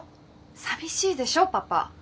寂しいでしょパパ。